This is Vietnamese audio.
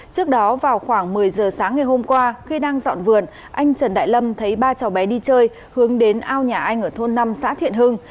trước đó vào khoảng một mươi giờ sáng ngày hôm qua khi đang dọn vườn anh trần đại lâm thấy ba cháu bé đi chơi hướng đến ao nhà anh ở thôn năm xã thiện hưng